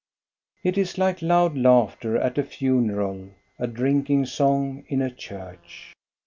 GHOST STORIES, 205 It is like loud laughter at a funeral, a drinking song in a church.